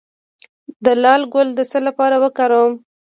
د لاله ګل د څه لپاره وکاروم؟